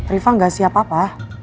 rifah gak siap apa